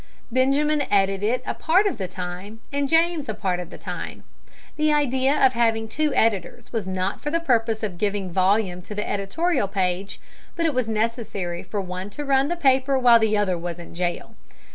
Benjamin edited it a part of the time, and James a part of the time. The idea of having two editors was not for the purpose of giving volume to the editorial page, but it was necessary for one to run the paper while the other was in jail.